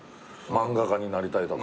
漫画家になりたいとか。